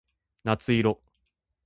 夏色